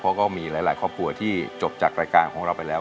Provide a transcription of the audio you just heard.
เพราะก็มีหลายครอบครัวที่จบจากรายการของเราไปแล้ว